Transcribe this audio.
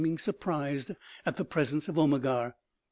259 ing surprised at the presence of Omegar.